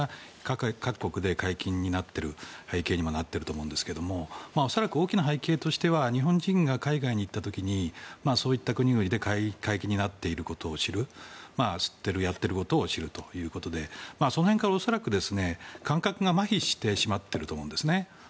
その辺が各国で解禁になっている背景でもあると思うんですが恐らく大きな背景としては日本人が海外に行った時にそういった国々で解禁になっていることを知るやっていることを知るということでその辺から恐らく感覚がまひしていると思うんですね。